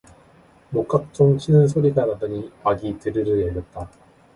목각종 치는 소리가 나더니 막이 드르르 열렸다.